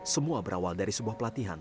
semua berawal dari sebuah pelatihan